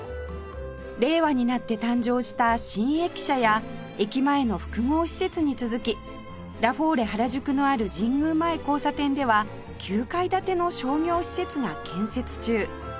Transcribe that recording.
令和になって誕生した新駅舎や駅前の複合施設に続きラフォーレ原宿のある神宮前交差点では９階建ての商業施設が建設中